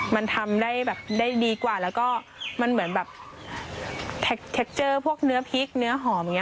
มันทำได้แบบได้ดีกว่าแล้วก็มันเหมือนแบบเทคเจอร์พวกเนื้อพริกเนื้อหอมอย่างนี้